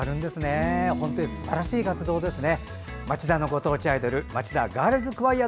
すばらしい活動ですね。